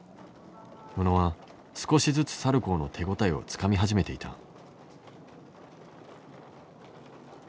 宇野は少しずつサルコーの手応えをつかみ始めていた。